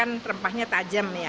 sampai jumpa di video selanjutnya